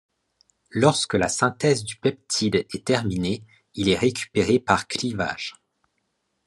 Lorsque la synthèse du peptide est terminée, il est récupéré par clivage.